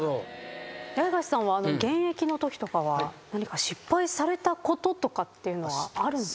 八重樫さんは現役のときとかは失敗されたこととかっていうのはあるんですか？